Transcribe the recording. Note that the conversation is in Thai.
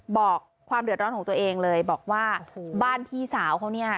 บอกความเดือดร้อนของตัวเองเลยบอกว่าบ้านพี่สาวเขาเนี่ย